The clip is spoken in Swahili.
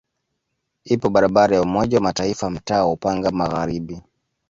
Ipo barabara ya Umoja wa Mataifa mtaa wa Upanga Magharibi.